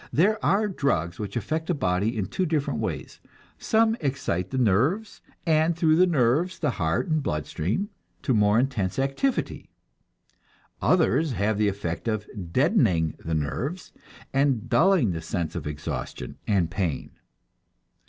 There are drugs which affect the body in two different ways: some excite the nerves, and through the nerves the heart and blood stream, to more intense activity; others have the effect of deadening the nerves, and dulling the sense of exhaustion and pain.